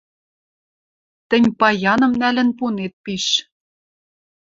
Тӹнь паяным нӓлӹн пунет пиш.